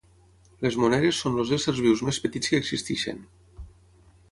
Les moneres són els éssers vius més petits que existeixen.